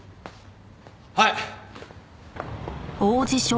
はい！